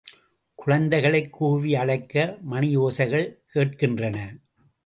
குழந்தைகளைக் கூவி அழைக்க மணியோசைகள் கேட்கின்றன.